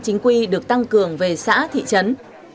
chính quy được tăng cường về xã thị trấn